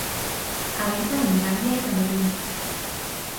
Habita en Gambia y Camerún.